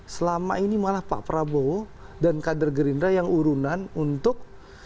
selama ini malah pak prabowo dan kader gerindra yang urunan untuk